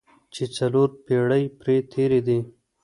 چې څلور پېړۍ پرې تېرې دي.